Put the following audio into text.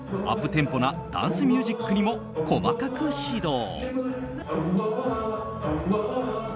テンポなダンスミュージックにも細かく指導。